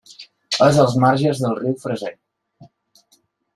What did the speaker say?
És als marges del riu Fraser.